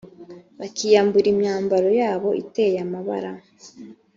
bakiyambura imyambaro yabo iteye amabara